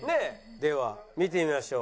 では見てみましょう。